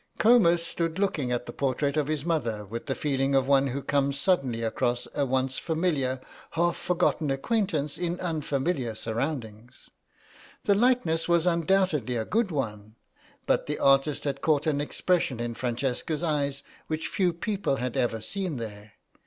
Comus stood looking at the portrait of his mother with the feeling of one who comes suddenly across a once familiar half forgotten acquaintance in unfamiliar surroundings. The likeness was undoubtedly a good one, but the artist had caught an expression in Francesca's eyes which few people had ever seen there.